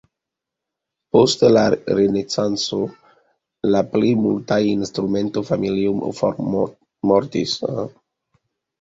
Post la renesanco la plej multaj instrumento-familioj formortis.